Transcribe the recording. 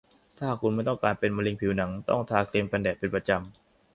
ถ้าคุณไม่ต้องการเป็นมะเร็งผิวหนัง ต้องทาครีมกันแดดเป็นประจำ